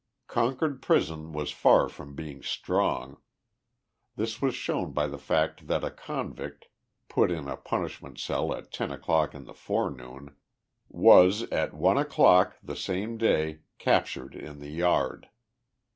Concord prison was far from being strong. This was shown by the fact that a convict, put in a punishment cell at 10 o'clock in the forenoon, was at 1 o'clock, the same day. captured in the yard.